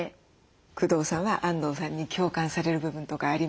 工藤さんはあんどうさんに共感される部分とかありますか？